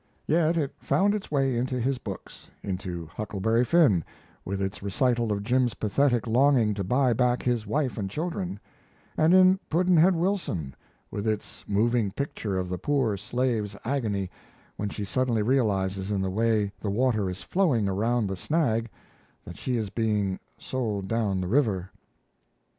Yet it found its way into his books into Huckleberry Finn, with its recital of Jim's pathetic longing to buy back his wife and children; and in Pudd'nhead Wilson with its moving picture of the poor slave's agony when she suddenly realizes in the way the water is flowing around the snag that she is being "sold down the river."